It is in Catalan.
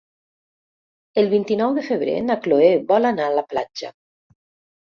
El vint-i-nou de febrer na Chloé vol anar a la platja.